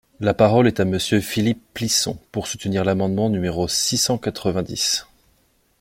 La parole est à Monsieur Philippe Plisson, pour soutenir l’amendement numéro six cent quatre-vingt-dix.